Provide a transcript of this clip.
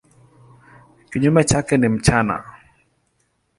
Kinyume chake ni mchana.